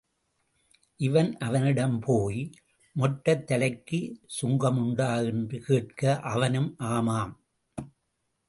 இவன் அவனிடம் போய், மொட்டைத் தலைக்குச் சுங்கம் உண்டா? என்று கேட்க, அவனும் ஆமாம்!